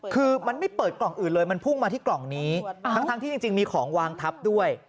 คือมันไม่เปิดกล่องอื่นเลยมันพุ่งมาที่กล่องนี้ทั้งที่จริงมีของวางทับด้วย